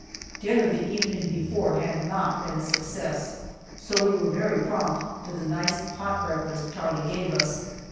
Dinner the evening before had not been a success, so we were very prompt to the nice hot breakfast Charlie gave us.